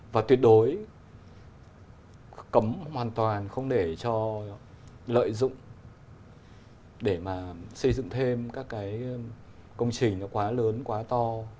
và tuyệt đối cấm hoàn toàn không để cho lợi dụng để mà xây dựng thêm các cái công trình nó quá lớn quá to